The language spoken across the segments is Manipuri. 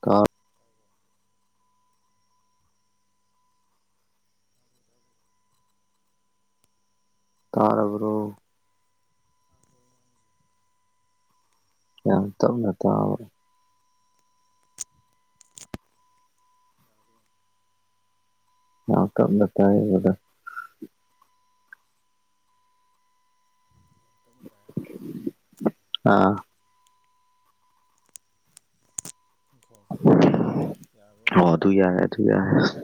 ꯀꯥꯎ ꯇꯥꯔꯕꯣ ꯇꯥꯕ꯭ꯔꯣ ꯇꯥꯕ꯭ꯔꯣ ꯇꯥꯗ꯭ꯔꯣ ꯑꯩ ꯉꯥꯡꯉꯤꯁꯦ ꯌꯥꯔꯕ ꯌꯦꯡꯉꯣ ꯌꯥꯝ ꯇꯥꯔꯕꯔꯣ [unintelligible] ꯌꯥꯝ ꯇꯞꯅ ꯇꯥꯕ [unintelligible] ꯇꯞꯅ ꯇꯥꯏ ꯍꯥꯏꯔꯣ ꯑꯥ ꯎꯝ ꯈꯣ ꯍꯣ ꯍꯣ ꯌꯥꯔꯕ ꯌꯦꯡꯉꯣ ꯊꯨ ꯌꯥꯏꯁ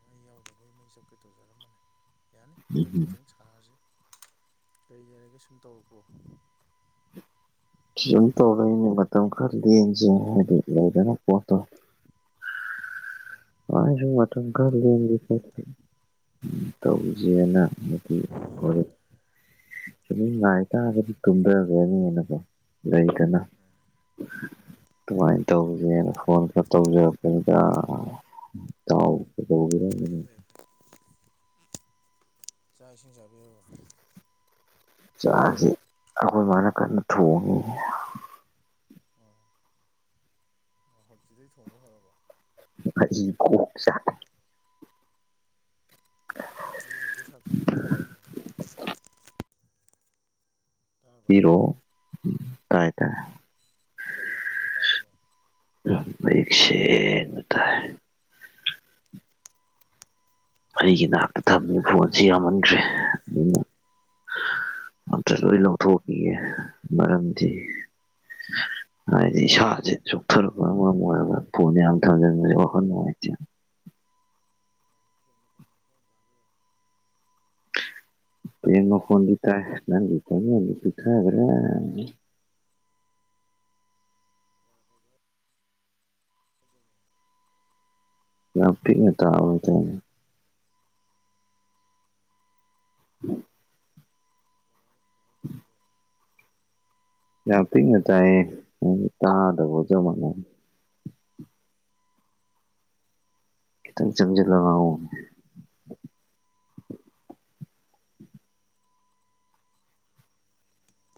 ꯑ ꯃꯩ ꯌꯥꯎꯗꯕꯩ ꯃꯩ ꯆꯞꯀꯦ ꯇꯧꯖꯔꯝꯕꯅꯦ ꯌꯥꯅꯤ ꯍꯟꯗꯛ ꯈꯤꯇꯪ ꯆꯪ ꯊꯥꯔꯁꯤ ꯀꯔꯤ ꯂꯩꯔꯒꯦ ꯁꯨꯝ ꯇꯧꯔꯛꯄ꯭ꯔꯣ ꯁꯤꯌꯨꯝ ꯇꯧꯔꯛꯏꯅꯦ ꯃꯇꯝ ꯈꯔ ꯂꯦꯟꯁꯦ ꯍꯥꯏꯗꯤ ꯂꯩꯗꯅ ꯄꯣꯠꯇꯣ ꯑꯣ ꯋꯥꯏ ꯍꯥꯏꯕ ꯃꯇꯝ ꯈꯔ ꯂꯦꯟꯒꯦ ꯂꯦꯟꯕꯒꯤ ꯈꯣꯠꯀꯦ ꯍꯥꯏꯇꯥꯔꯦ ꯎꯝ ꯇꯧꯖꯦꯅ ꯃꯗꯤ ꯑꯣꯔꯦ ꯑꯗꯨꯝ ꯉꯥꯏꯇꯥꯕꯅꯤ ꯇꯨꯝꯗꯒ꯭ꯔꯅꯦꯅꯀꯣ ꯂꯩꯗꯅ ꯎꯝ ꯀꯃꯥꯏ ꯇꯧꯔꯤꯒꯦꯅ ꯐꯣꯟꯒ ꯇꯧꯖꯔꯛꯄꯅꯤꯗ ꯏꯇꯥꯎ ꯀꯩꯗꯧꯔꯤꯒꯦ ꯐꯔꯦ ꯐꯔꯦ ꯆꯥꯛ ꯏꯁꯤꯡ ꯆꯥꯕꯤꯔꯕꯥ ꯆꯥꯁꯤ ꯑꯈꯣꯏ ꯃꯥꯅ ꯀꯟꯅ ꯊꯣꯡꯉꯤ ꯑꯥ ꯍꯧꯖꯤꯗꯩ ꯊꯣꯡꯕ ꯍꯧꯔꯕꯣ ꯃꯔꯤ ꯀꯣꯛ ꯆꯥꯛ ꯑꯦ ꯑꯩ ꯑꯦꯌꯔꯄꯤꯁ ꯍꯥꯞꯆꯤꯟꯂꯤꯖꯦ ꯇꯥꯕ꯭ꯔ ꯌꯦꯡꯉꯣꯅꯦ ꯇꯥꯔꯕ ꯍꯤꯔꯣ ꯎꯝ ꯇꯥꯏ ꯇꯥꯏ꯫ ꯐꯖꯅ ꯇꯥꯔꯕ ꯌꯦꯡꯉꯣ꯫ ꯃꯌꯦꯛ ꯁꯦꯡꯅ ꯇꯥꯏ ꯑꯩꯒꯤ ꯅꯥꯛꯇ ꯊꯝꯃꯤ ꯐꯣꯟꯁꯤ ꯌꯥꯝꯃꯟꯗ꯭ꯔꯦ ꯑꯗꯨꯅ꫰꫰ ꯑꯝꯇ ꯂꯣꯏ ꯂꯧꯊꯣꯛꯈꯤꯒꯦ ꯃꯔꯝꯗꯤ꯫ ꯍꯥꯏꯗꯤ ꯏꯁꯥꯁꯦ ꯆꯣꯛꯊꯔꯛꯄꯅ ꯃꯔꯝ ꯑꯣꯏꯔꯒ ꯐꯣꯜ ꯌꯥꯝ ꯊꯥꯖꯤꯟꯕꯁꯦ ꯋꯥꯈꯜ ꯅꯨꯡꯉꯥꯏꯇꯦ꯫ ꯌꯦꯡꯉꯣ ꯐꯦꯟ ꯃꯈꯣꯟ ꯌꯥꯝ ꯍꯧꯅ ꯇꯥꯕ꯭ꯔꯥ ꯌꯦꯡꯉꯣ ꯌꯦꯟ ꯃꯈꯣꯟꯗꯤ ꯇꯥꯏ ꯅꯪꯒꯤ ꯈꯣꯟꯖꯦꯟꯗꯤ ꯄꯤꯛꯊꯒꯔꯦ꯫ ꯌꯥꯗ꯭ꯔꯕ ꯍꯥꯏꯁꯦ ꯌꯦꯡꯉꯣ ꯌꯥꯝ ꯄꯤꯛꯅ ꯇꯕꯥ ꯍꯥꯏꯇꯔꯦ꯫ [inaudible] ꯀꯃꯥꯏ ꯀꯃꯥꯏ ꯇꯧꯔꯤꯖꯥꯠꯅꯣ [inaudible] ꯌꯥꯝ ꯄꯤꯛꯅ ꯇꯥꯌꯦ ꯇꯥꯗꯕꯒ ꯆꯞ ꯃꯅꯥꯔꯦ꯫ ꯈꯤꯇꯪ ꯆꯪꯖꯟꯂ ꯉꯥꯡꯉꯣ꯫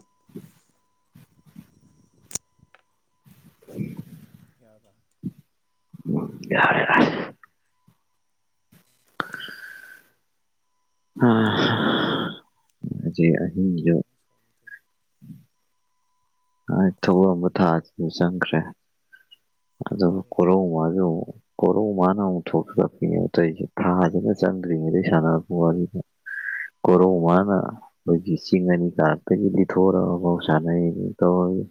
[inaudible] [inaudible] ꯀꯤꯌꯥꯗ [inaudible] ꯑꯥ [unintelligible] ꯑꯍꯤꯡꯖꯦ [inaudible] ꯃꯥꯏ ꯊꯕꯛ ꯑꯃ ꯊꯥꯕꯁꯤꯁꯨ ꯆꯪꯈ꯭ꯔꯦ ꯑꯗꯣ ꯀꯔꯤ꯫ [unintelligible] ꯀꯣꯔꯧ ꯃꯥꯅ ꯑꯃꯨꯛ ꯊꯣꯛꯆꯟꯂꯛꯄꯤꯅꯦ ꯇꯣꯏꯁꯤ ꯊꯥꯁꯤꯅ ꯆꯪꯗ꯭ꯔꯤꯉꯩꯗꯩ ꯁꯥꯟꯅꯔꯛꯄ ꯋꯥꯔꯤꯅꯤ꯫ ꯀꯣꯔꯧ ꯎꯝ ꯃꯥꯅ ꯑꯩꯈꯣꯏꯒꯤ ꯆꯤꯡ ꯑꯅꯤ ꯀꯥꯔꯛꯇꯒꯤ ꯂꯤꯊꯣꯔꯛꯑꯕꯧ ꯁꯥꯟꯅꯩ ꯇꯧꯔꯅꯤ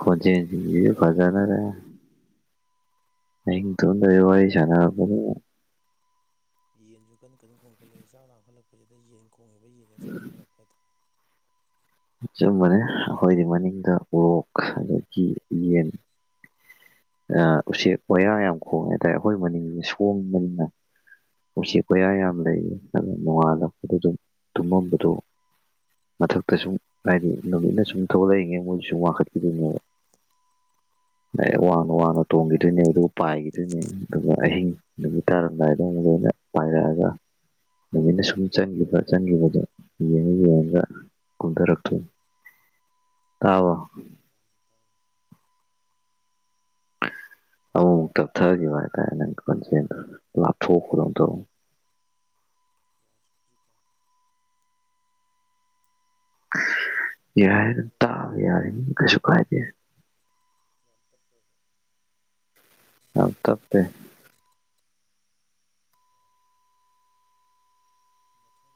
ꯈꯣꯟꯖꯦꯟꯁꯤꯗꯤ ꯐꯖꯗꯔꯦ꯫ ꯑꯍꯤꯡ ꯇꯨꯝꯃꯥꯝꯗꯥꯏꯗ ꯑꯩ ꯋꯥ ꯋꯥꯔꯤ ꯁꯟꯅꯔꯛꯄꯕꯨ ꯉꯥꯡꯗꯕꯩꯅꯦꯍꯦ ꯌꯦꯟꯁꯨ ꯀꯟꯅ ꯀꯟꯅ ꯈꯣꯡꯈꯠꯂꯛꯑꯦ ꯆꯥꯛ ꯂꯥꯡꯈꯠꯂꯛꯄꯁꯤꯗ ꯌꯦꯟ ꯈꯣꯡꯉꯤꯕ ꯌꯦꯟ ꯆꯅꯤꯡꯟꯈꯠꯂꯛꯄ ꯍꯥꯏꯇꯥꯥꯔꯦ꯫ ꯆꯞ ꯃꯅꯩ ꯑꯩꯈꯣꯏꯗꯤ ꯃꯅꯤꯡꯗ ꯎꯔꯣꯛ ꯑꯗꯒꯤ ꯌꯦꯟ꯫ ꯎꯆꯦꯛ ꯋꯥꯌꯥ ꯌꯥꯝ ꯈꯣꯡꯉꯦ ꯍꯥꯏꯇꯥꯔꯦ ꯑꯩꯈꯣꯏ ꯃꯅꯤꯡꯁꯦ ꯁꯣꯡꯕꯅꯤꯅ ꯎꯆꯦꯛ ꯋꯥꯌꯥ ꯌꯥꯝ ꯂꯩꯌꯦ ꯑꯗꯨꯅ ꯅꯣꯡꯉꯥꯜꯂꯛꯄ ꯑꯗꯨꯝ ꯇꯨꯝꯃꯝꯕꯗꯨ ꯃꯊꯥꯛꯇ ꯁꯨꯝ ꯍꯥꯏꯗꯤ ꯅꯨꯃꯤꯠꯅ ꯁꯨꯝ ꯊꯣꯛꯂꯛꯏꯉꯩ ꯃꯣꯏꯁꯨ ꯁꯨꯝ ꯋꯥꯡꯈꯠꯄꯤꯗꯣꯏꯅꯦꯕ꯫ ꯗꯥꯏꯔꯦꯛ ꯋꯥꯡꯅ ꯋꯥꯡꯅ ꯇꯣꯡꯒꯤꯗꯣꯏꯅꯦ ꯑꯗꯨꯒ ꯄꯥꯏꯒꯤꯗꯣꯏꯅꯦꯕ ꯑꯗꯨꯒ ꯑꯍꯤꯡ ꯅꯨꯃꯤꯠ ꯇꯥꯔꯝ ꯗꯥꯏꯗ ꯑꯃꯨꯛ ꯂꯣꯏꯅ ꯄꯥꯏꯔꯑꯒ ꯅꯨꯃꯤꯠꯅ ꯁꯨꯝ ꯆꯪꯒꯤꯕ ꯆꯪꯒꯤꯕꯗꯨ ꯌꯦꯡꯉ ꯌꯦꯡꯉꯒ꯫ ꯀꯨꯝꯗꯔꯛꯇꯣꯏꯅꯤ ꯇꯥꯕꯣ꯫ ꯑꯃꯨꯨꯛ ꯇꯞꯊꯈꯤꯕ ꯍꯥꯏꯇꯥꯔꯦ ꯅꯪꯒꯤ ꯈꯣꯟꯖꯦꯟ ꯗꯨ ꯂꯥꯞꯊꯣꯛꯄꯗꯧ ꯇꯧꯕ ꯌꯥꯔꯦ ꯑꯗꯨꯜ ꯇꯥꯕ ꯌꯥꯔꯤꯝꯅꯤꯅ ꯀꯩꯁꯨ ꯀꯥꯏꯗꯦ꯫ [inaudible] ꯌꯥꯝ ꯇꯞꯄꯦ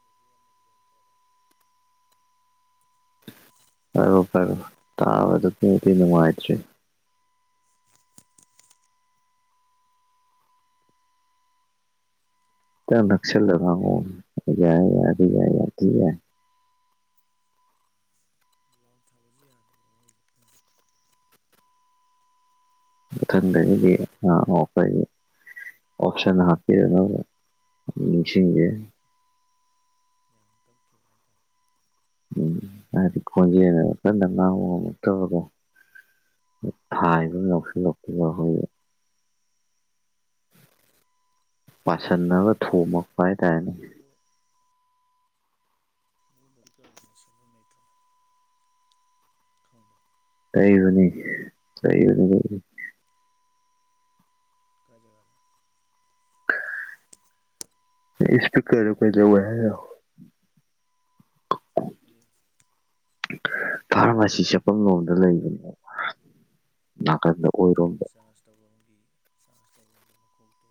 ꯃꯊꯪꯒꯤꯗꯤ ꯑꯃꯗꯨꯗ ꯑꯣꯏꯅ ꯇꯧꯔꯛꯑꯣ ꯄꯥꯏꯔꯛꯑꯣ ꯄꯥꯏꯔꯛꯑꯣ ꯇꯥꯕꯗꯗꯤ ꯅꯨꯡꯉꯥꯏꯇ꯭ꯔꯦ꯫ ꯈꯔꯌꯥꯝ ꯌꯥꯔꯝꯃꯅꯤ ꯅꯥꯛꯁꯤꯜꯂ ꯉꯥꯡꯉꯛꯑꯣ ꯌꯥꯏ ꯌꯥꯏ ꯑꯗꯨ ꯌꯥꯏ ꯌꯥꯝ ꯊꯤꯟ ꯌꯥꯏ꯫ ꯂꯥꯎ ꯊꯥꯕꯁꯨ ꯌꯥꯗꯕ [unintelligible] ꯃꯊꯪꯗꯒꯤꯗꯤ ꯑꯥ ꯑꯣ ꯐꯩ꯫ ꯑꯣꯞꯁꯟ ꯍꯥꯥꯞꯄꯦ [unintelligible] ꯅꯤꯡꯁꯤꯡꯗꯦ꯫ ꯌꯥꯝ ꯀꯞꯈꯤꯕꯅꯤ ꯍꯥꯏꯇꯥꯔꯦ꯫ ꯎꯝ ꯃꯥꯗꯤ ꯈꯣꯟꯖꯦꯟꯅ ꯀꯟꯅ ꯉꯥꯡ ꯉꯝꯃꯛ ꯇꯕꯗꯣ꯫ ꯈꯥꯏꯕ ꯑꯝ ꯌꯥꯎꯁꯤꯜꯂꯛ ꯄꯗꯣ [unintelligible] ꯄꯥꯁꯤꯟꯂꯒ ꯊꯣꯝꯃꯒ ꯅꯣꯏ ꯑꯗꯨ꯫ [unintelligible] ꯈꯪꯕ꯭ꯔꯣ ꯇꯩꯕꯅꯤ [unintelligible] ꯀꯥꯏ ꯖꯒꯥꯗ ꯅꯪ ꯏꯁꯄꯤꯀꯔꯗꯣ ꯀꯩꯗꯧꯋꯤ ꯍꯥꯏꯅꯣ ꯀꯔꯤ ꯐꯥꯔꯃꯥꯁꯤ ꯆꯠꯐꯝ ꯂꯣꯝꯗ ꯂꯩꯕꯅꯦ ꯅꯥꯀꯟꯗ ꯑꯣꯏꯔꯣꯝꯗ ꯏꯁꯄꯤꯀꯔꯒꯤ ꯆꯥꯔꯁ ꯇꯧꯕꯝꯒꯤ ꯆꯥꯔꯖ ꯇꯧꯕꯝꯒꯤ ꯃꯈꯣꯛꯇꯣ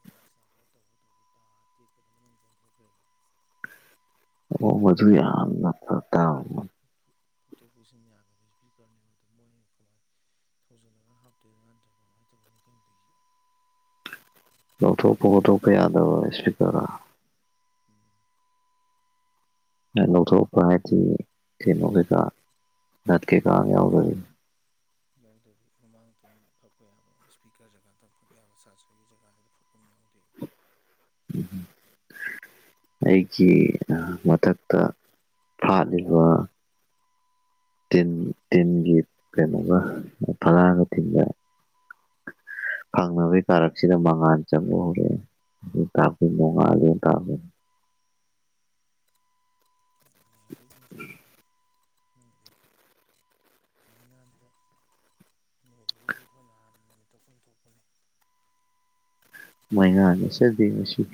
ꯑꯩꯅ [unintelligible] [unintelligible] ꯑꯣ ꯃꯗꯨ ꯌꯥꯝꯅ ꯐꯔꯛ ꯇꯥꯕꯅꯤ ꯐꯣꯇꯣꯛ ꯄꯨꯁꯤꯟ ꯌꯥꯗꯕ ꯏꯁꯄꯤꯀꯔꯅꯦꯕꯗ ꯃꯣꯏꯅ ꯀꯃꯥꯏꯅ ꯁꯧꯖꯤꯜꯂꯒ ꯍꯥꯞꯇꯣꯏꯔꯥ ꯅꯠꯇ꯭ꯔꯒ ꯀꯃꯥꯏꯇꯧꯗꯣꯏꯅꯣ ꯈꯪꯗꯦ ꯑꯩꯁꯨ ꯂꯧꯊꯣꯛꯄ ꯈꯣꯊꯣꯛꯄ ꯌꯥꯗꯕ ꯏꯁꯄꯤꯀ꯭ꯔꯔꯥ ꯎꯝ ꯂꯧꯊꯣꯛꯄ ꯍꯥꯏꯗꯤ ꯀꯩꯅꯣ ꯀꯩꯀꯥ ꯅꯠ ꯀꯩꯀꯥ ꯌꯥꯎꯗꯕꯤ ꯌꯥꯎꯗꯕꯤ ꯃꯃꯥꯡꯗꯪ ꯐꯛꯄ ꯌꯥꯕ ꯏꯁꯄꯤꯀꯔ ꯖꯒꯥꯗꯪ ꯐꯛ ꯌꯥꯕ ꯁꯥꯔꯖꯔꯒꯤ ꯖꯒꯥ ꯍꯥꯏꯗ ꯐꯛꯐꯝ ꯑꯃ ꯌꯥꯎꯗꯦꯕ [inaudible] ꯑꯩꯒꯤ ꯃꯊꯛꯇ ꯐꯥꯠꯂꯤꯕ ꯇꯤꯟ ꯇꯤꯟꯒꯤ ꯀꯩꯅꯣꯒ ꯐꯛꯂꯥꯡꯒ ꯇꯤꯟꯕ ꯐꯥꯡꯅꯕꯩ ꯀꯥꯔꯛꯁꯤꯗ ꯃꯉꯥꯥꯟ ꯆꯪꯕ ꯍꯧꯔꯛꯑꯦ ꯑꯗꯨ ꯇꯥꯛꯄꯗꯤ ꯅꯣꯡꯉꯥꯜꯂꯦꯅ ꯇꯥꯛꯄꯅꯤ [unintelligible] ꯌꯦꯡꯖꯅꯤ ꯅꯪꯒꯤꯗꯤ ꯃꯩ ꯉꯥꯟꯗ ꯅꯣꯏꯗꯒꯤꯗꯤ ꯑꯩꯈꯣꯏꯅ ꯍꯥꯟꯅ ꯅꯨꯃꯤꯠꯊꯣꯛꯐꯝ ꯊꯣꯛꯄꯅꯤ ꯃꯩꯉꯥꯟꯗꯤ ꯑꯗꯨꯕꯨ [unintelligible]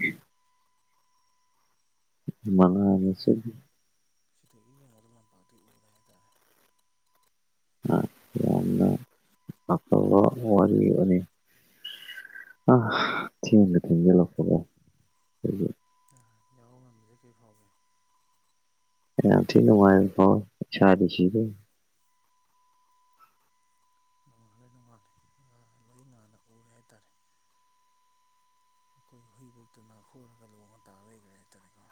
ꯉꯥꯟꯕꯗꯤ ꯃꯉꯥꯜ ꯉꯥꯜꯂꯦ ꯑꯁꯤꯗꯤ ꯁꯤꯗꯒꯤ ꯌꯦꯡꯕꯗ ꯂꯝꯄꯥꯛꯇꯤ ꯎꯔꯦ ꯍꯥꯏꯇꯥꯔꯦ ꯌꯥꯝꯅ ꯑꯐꯕ ꯋꯥꯔꯤ ꯑꯃꯅꯤ ꯑ ꯊꯦꯡꯅ ꯊꯦꯡꯖꯤꯟꯂꯛꯄꯅꯦ [unintelligible] ꯌꯥꯍꯧ ꯉꯟꯕꯖꯦ ꯀꯩ ꯐꯥꯎꯒꯦ ꯨꯌꯥꯝ ꯊꯤ ꯅꯨꯡꯉꯥꯏꯕ ꯐꯥꯎꯋꯤ ꯏꯁꯥꯥꯗꯤ ꯁꯤꯗꯧꯋꯤ ꯅꯣꯡꯉꯥꯜꯂꯦ ꯅꯣꯡꯉꯥꯜꯂꯦ ꯑꯥ ꯂꯣꯏ ꯉꯥꯟꯅ ꯎꯔꯦ ꯍꯥꯏꯇꯥꯔꯦ ꯑꯩꯈꯣꯏ ꯍꯨꯏꯕꯧꯇ ꯅꯈꯣꯔꯒ ꯂꯣꯡꯉꯥ ꯇꯥ ꯂꯩꯒ꯭ꯔꯦ ꯍꯥꯏꯇꯥꯔꯦꯀꯣ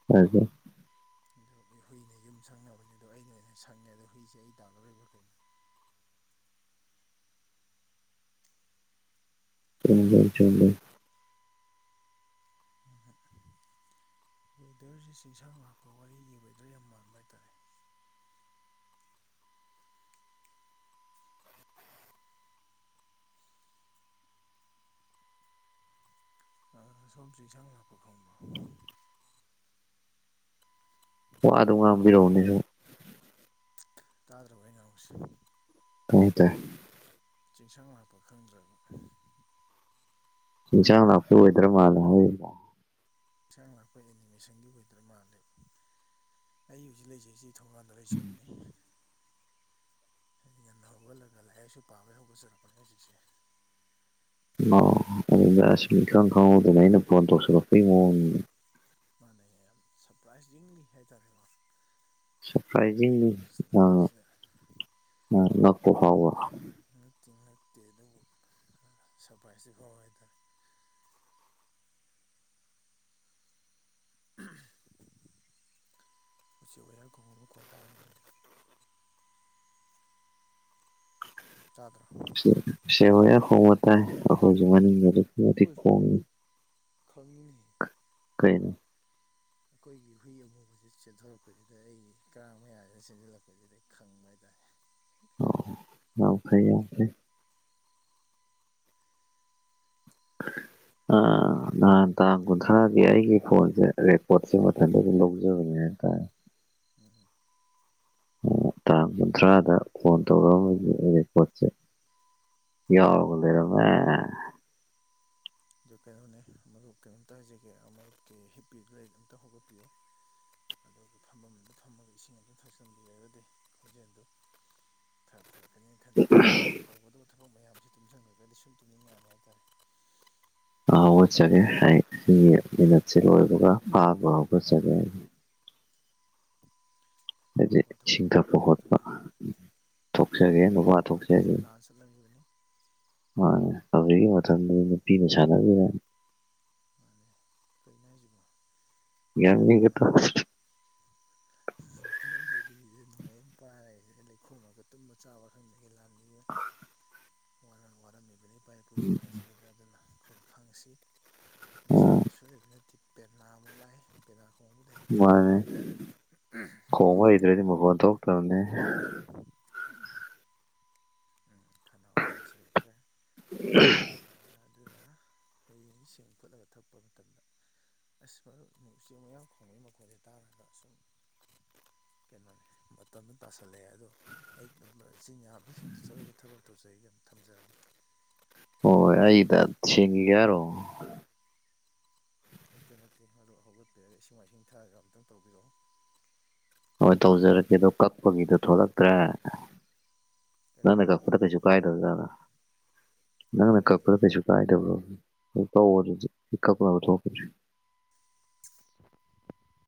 [unintelligible] ꯑꯗꯨ ꯑꯩ ꯍꯨꯏꯅ ꯌꯨꯝ ꯁꯪꯅꯕꯅꯤ ꯑꯗꯣ ꯑꯩꯩꯅ ꯑꯣꯏꯅ ꯁꯪꯉꯦ ꯑꯗꯣ ꯍꯨꯏꯁꯦ ꯑꯩ ꯇꯥꯗꯧꯔꯤꯕꯥ ꯀꯩꯅꯣ ꯆꯨꯝꯗꯣꯏꯟ ꯆꯨꯝꯗꯣꯏꯟ ꯎꯝ ꯋꯦꯗꯔꯁꯦ ꯆꯤꯡꯁꯥꯡ ꯂꯥꯛꯄ ꯋꯥꯔꯤꯒꯤ ꯋꯦꯗꯔ ꯌꯥꯝ ꯃꯥꯟꯕ ꯍꯥꯏꯇꯥꯔꯦ ꯑ ꯁꯣꯝ ꯆꯤꯡꯁꯥꯡ ꯂꯥꯛꯄ ꯈꯪꯕ꯭ꯔꯣ ꯋꯥ ꯑꯗꯨꯝ ꯉꯥꯡꯕꯤꯔꯛꯎꯅꯦ ꯁꯨꯝ ꯇꯥꯗ꯭ꯔꯣ ꯑꯩꯅ ꯉꯥꯡꯕꯁꯤ ꯇꯥꯏ ꯇꯥꯏ ꯆꯤꯡꯁꯥꯡ ꯂꯥꯛꯄ ꯈꯪꯗ꯭ꯔꯕ ꯆꯤꯡꯁꯥꯡ ꯂꯥꯛꯄ ꯋꯦꯗ꯭ꯔ ꯃꯥꯜꯂꯦ ꯍꯥꯏꯔꯤꯕ ꯆꯤꯡꯁꯥꯡ ꯂꯥꯛꯄ ꯑꯦꯅꯤꯃꯦꯁꯟꯒꯤ ꯋꯦꯗ꯭ꯔ ꯃꯥꯜꯂꯦꯕ ꯑꯩ ꯍꯧꯖꯤꯛ ꯂꯩꯖꯩꯁꯤ ꯊꯣꯡꯒꯥꯟꯗ ꯂꯩꯖꯕꯅꯤ ꯍꯥꯏꯗꯤ ꯉꯟꯅ ꯍꯧꯒꯠꯂꯒ ꯂꯥꯏꯔꯤꯛ ꯂꯥꯏꯁꯨ ꯄꯥꯕꯩ ꯍꯧꯒꯠꯆꯔꯛꯄꯅꯦ ꯑꯩ ꯍꯧꯖꯤꯛꯁꯦ [unintelligible] ꯑꯗꯨꯗ [unintelligible] ꯏꯈꯪ ꯈꯪꯍꯧꯗꯕ ꯑꯩꯅ ꯐꯣꯟ ꯇꯧꯁꯟꯂꯛꯄꯩ ꯃꯑꯣꯡꯅꯤꯅꯦ ꯃꯥꯅꯦ ꯌꯥꯝ ꯁꯔꯄ꯭ꯔꯥꯏꯖꯤꯡꯂꯤ ꯍꯥꯏꯇꯥꯔꯦꯀꯣ ꯑꯩ ꯁꯔꯄ꯭ꯔꯥꯏꯖꯤꯡꯂꯤ ꯐꯣꯟ [unintelligible] ꯉꯛꯄ ꯐꯥꯎꯕ ꯉꯛꯇꯤ ꯉꯛꯇꯦ ꯑꯗꯨꯕꯨ ꯁꯔꯄꯔꯥꯏꯁꯇꯤ ꯐꯥꯎꯕ ꯍꯥꯏꯇꯥꯔꯦ ꯎꯆꯦꯛ ꯋꯥꯌꯥ ꯈꯣꯡꯕ ꯃꯈꯣꯟ ꯇꯥꯔꯝꯒꯅꯤ ꯇꯥꯗ꯭ꯔꯣ ꯎꯆꯦꯛ ꯋꯥꯌꯥ ꯈꯣꯡꯕ ꯇꯥꯏ ꯑꯩꯈꯣꯏꯖꯨ ꯃꯅꯤꯡꯗ [unintelligible] ꯈꯣꯡꯉꯤ ꯈꯪꯅꯤ ꯀꯩꯅꯣ ꯑꯩꯈꯣꯏꯒꯤ ꯍꯨꯏ ꯑꯃꯨꯕꯖꯤ ꯆꯦꯟꯊꯣꯔꯛꯄꯖꯤꯗ ꯑꯩꯒꯤ ꯀꯔꯥꯡ ꯃꯌꯥꯖꯤꯗ ꯆꯦꯟꯖꯤꯟꯂꯛꯄꯖꯤꯗ ꯑꯩ ꯈꯪꯕ ꯍꯥꯏꯇꯥꯔꯦ ꯑꯣ ꯌꯥꯝ ꯐꯩꯩ ꯑꯗꯨꯗꯤ ꯑꯥ ꯑꯥ ꯅꯍꯥꯟ ꯇꯥꯡ ꯀꯨꯟꯊ꯭ꯔꯥꯗꯤ ꯑꯩꯒꯤ ꯐꯣꯟꯖꯦ ꯔꯦꯀꯣꯔꯠꯁꯦ ꯃꯊꯟꯇ ꯑꯗꯨꯝ ꯂꯧꯖꯕꯅꯦ ꯍꯥꯏꯇꯥꯔꯦ [unintelligible] ꯑꯣ ꯇꯥꯡ ꯀꯨꯟꯊ꯭ꯔꯥꯗ ꯐꯣꯟ [unintelligible] ꯔꯦꯀꯣꯔꯠꯁꯦ ꯌꯥꯎꯔꯒ ꯂꯩꯔꯝꯃꯦ ꯑꯗꯨ ꯀꯩꯅꯣꯅꯦ ꯃꯔꯨꯞ ꯀꯩꯅꯣꯝꯇ ꯍꯥꯏꯖꯒꯦ ꯃꯔꯨꯞꯀꯤ ꯍꯤꯞꯄꯤꯗꯨ ꯂꯩꯗꯨ ꯑꯝꯇ ꯍꯧꯒꯠꯄꯤꯌꯨ ꯑꯗꯨꯒ ꯊꯝꯐꯝꯝꯗ ꯊꯝꯃꯒ ꯏꯁꯤꯡ ꯑꯝꯇ ꯊꯛꯆꯟꯕꯤꯔꯗꯤ ꯈꯣꯟꯖꯦꯜꯗꯨ ꯈꯔ ꯐꯔꯛꯀꯅꯤꯅ ꯈꯟꯖꯩ ꯅꯠꯇ꯭ꯔꯒꯗꯤ ꯇꯧꯒꯗꯕ ꯊꯕꯛ ꯃꯌꯥꯝꯁꯦ ꯇꯨꯝꯁꯤꯟꯈ꯭ꯔꯒꯗꯤ ꯁꯨꯝ ꯇꯨꯝꯅꯤꯡꯉꯛꯑꯅꯤ ꯍꯥꯏꯇꯥꯔꯦ ꯍꯧꯒꯠꯆꯒꯦ ꯑꯩ ꯁꯤꯒꯤ ꯃꯤꯅꯠꯁꯦ ꯂꯣꯏꯕꯒ ꯄꯥꯕ ꯍꯧꯒꯠꯆꯒꯦ ꯍꯥꯏꯗꯤ ꯅꯨꯄꯥ ꯏꯁꯤꯡ ꯊꯣꯛꯄꯤꯌꯣ ꯊꯛꯄ ꯅꯨꯄꯥ ꯈꯣꯠꯄ ꯊꯣꯛꯄꯤꯌꯣ ꯃꯇꯝ ꯊꯣꯛꯆꯒꯦ ꯑꯃꯗ ꯅꯨꯄꯥ ꯅꯨꯄꯥꯒꯁꯤ ꯂꯥꯟ ꯆꯠꯂꯝꯃꯤꯕꯅꯤ ꯃꯅꯤ ꯍꯧꯖꯤꯛꯀꯤ ꯃꯇꯝꯗꯗꯤ ꯇꯨꯝꯕ ꯅꯨꯄꯤꯒ [unintelligible] ꯃꯥꯅꯤ ꯀꯩꯅꯣ ꯍꯥꯏꯖꯕꯣ ꯌꯥꯝꯅꯤꯒ [unintelligible] [unintelligible] ꯅꯣꯡꯃꯩ ꯑꯃ ꯄꯥꯔꯦ ꯂꯩꯈꯣꯝꯃꯒ ꯇꯨꯝꯕ ꯆꯥꯕꯥ ꯈꯪꯗꯒꯩ ꯂꯥꯟ ꯃꯤꯑꯣꯏ ꯋꯥꯔꯝꯃꯤꯕꯅꯤ ꯏꯄꯥ ꯏꯄꯨꯁꯤꯡ ꯑꯁꯤꯗꯩꯗ ꯑꯗꯨꯅ ꯑꯩꯈꯣꯏꯅ ꯈꯪꯁꯤ ꯃꯁꯤꯗꯒꯤ ꯀꯩꯁꯨ ꯂꯩꯕꯥ ꯅꯠꯇꯦ ꯄꯦꯅꯥꯥꯃꯨꯛ ꯂꯥꯏ ꯄꯦꯅꯥ ꯈꯣꯡꯕꯨꯗꯤ ꯍꯩꯇꯦ ꯃꯥꯅꯦ ꯑꯗꯨꯗꯤ ꯃꯈꯣꯟ [unintelligible] [unintelligible] ꯈꯅꯥꯎꯁꯨ ꯌꯥꯁꯜꯂꯛꯇ꯭ꯔꯦ ꯎ [inaudible] ꯑꯗꯨꯅ ꯍꯌꯦꯡ ꯁꯤꯡ ꯐꯨꯠꯂꯒ ꯊꯛꯄ ꯃꯇꯝꯗ ꯑꯁ ꯐꯖꯅ ꯎꯆꯦꯛ ꯎꯌꯥ ꯈꯣꯡꯕꯩ ꯃꯈꯣꯟꯁꯦ ꯇꯥꯔꯒ ꯑꯁꯨꯝ ꯀꯩꯅꯣꯅꯤ ꯃꯇꯝꯁꯨ ꯇꯥꯁꯜꯂꯛꯑꯦ ꯑꯗꯣ ꯑꯩ ꯆꯤꯟ ꯌꯥ ꯑꯝꯇ ꯁꯦꯡꯗꯣꯛꯆꯔꯨꯒꯦ ꯊꯕꯛ [unintelligible] ꯊꯝꯖꯔꯒꯦ ꯍꯣꯏ ꯑꯩꯗ [unintelligible] ꯅꯠꯇꯦ ꯅꯠꯇꯦ ꯑꯗꯣ ꯍꯧꯒꯠꯄꯤꯔꯒ ꯏꯁꯤꯡ ꯃꯥꯏꯁꯤꯡ ꯊꯥꯔꯒ ꯑꯝꯛꯇꯪ ꯇꯧꯕꯤꯔꯛꯑꯣ ꯍꯣꯏ ꯇꯧꯖꯔꯀꯦ ꯑꯗꯣ ꯀꯛꯄꯒꯤꯗꯣ ꯊꯣꯛꯂꯛꯇ꯭ꯔꯦ ꯀꯔꯤ ꯅꯪꯅ ꯀꯛꯄꯗ ꯀꯩꯁꯨ ꯀꯥꯏꯗꯕꯖꯠꯂꯥ ꯀꯔꯤꯝ ꯉꯪꯅ ꯀꯥꯏꯗꯦ ꯀꯛꯄꯗ ꯀꯩꯁꯨ ꯀꯥꯏꯗꯕ꯭ꯔꯣ ꯇꯧ ꯑꯗꯨꯗꯤ ꯑꯩ ꯀꯛꯅꯕ ꯊꯣꯈꯤꯗꯔ꯭ꯦ [inaudible]